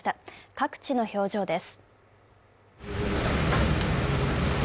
各地の表情です。